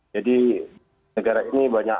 jadi negara ini banyak